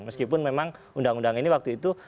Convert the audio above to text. meskipun memang undang undang ini waktu itu